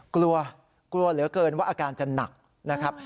กลัวกลัวเหลือเกินว่าอาการจะหนักนะครับ